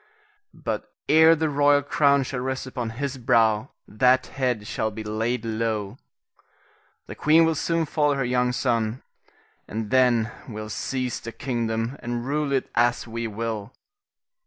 But ere the royal crown shall rest upon his brow, that head shall be laid low. The queen will soon follow her young son, and then we'll seize the kingdom and rule it as we will.